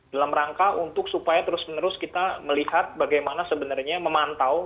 dalam rangka untuk supaya terus menerus kita melihat bagaimana sebenarnya memantau